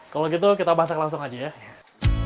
kalau gitu kita masak langsung aja ya